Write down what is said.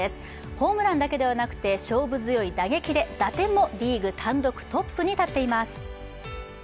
ホームランだけではなくて勝負強い打撃で打点もリーグ単独トップに立っています。